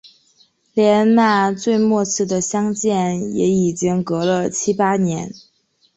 连那最末次的相见也已经隔了七八年